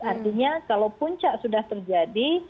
artinya kalau puncak sudah terjadi